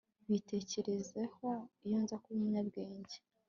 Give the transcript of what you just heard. Bitekerezeho iyo nza kuba umunyabwenge